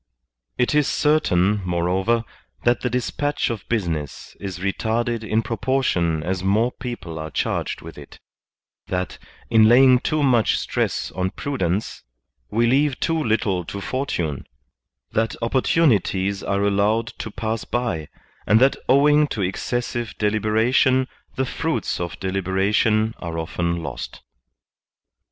It is certain, moreover, that the dispatch of business is retarded in proportion as more people are charged with it; that, in laying too much stress on prudence, we leave too little to fortune ; that opportunities are allowed to pass by, and that owing to excessive deliberation the fruits of deliberation are often lost.